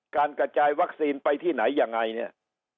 การกระจายวัคซีนไปที่ไหนยังไงเนี่ย